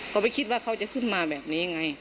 เขาไม่คิดว่าเขาจะขึ้นมาแบบนี้ไง